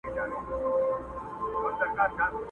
چي سزا یې په قسمت وه رسېدلې،